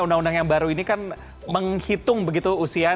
undang undang yang baru ini kan menghitung begitu usianya